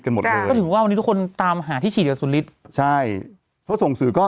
ทุกษ์มีว่าวันนี้บอกว่าลงในไลน์เหรอค่ะ